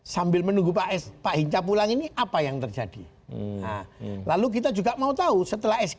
sebulan ituharancanya untuk ku masuk